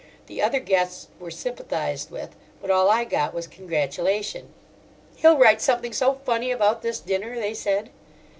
The other guests were sympathised with, but all I got was congratulation. "He'll write something so funny about this dinner," they said.